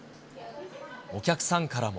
お客さんからも。